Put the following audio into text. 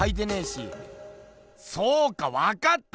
そうかわかった！